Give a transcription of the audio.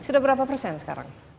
sudah berapa persen sekarang